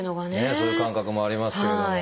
そういう感覚もありますけれども。